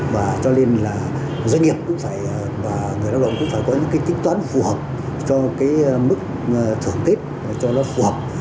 và cho nên là doanh nghiệp cũng phải và người lao động cũng phải có những cái tính toán phù hợp cho cái mức thưởng tết cho nó phù hợp